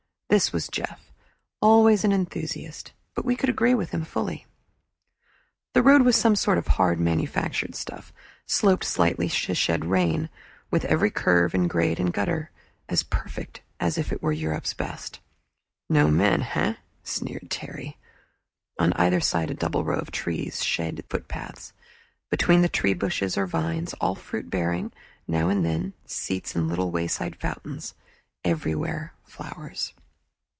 This was Jeff, always an enthusiast; but we could agree with him fully. The road was some sort of hard manufactured stuff, sloped slightly to shed rain, with every curve and grade and gutter as perfect as if it were Europe's best. "No men, eh?" sneered Terry. On either side a double row of trees shaded the footpaths; between the trees bushes or vines, all fruit bearing, now and then seats and little wayside fountains; everywhere flowers.